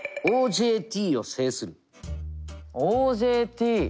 ＯＪＴ？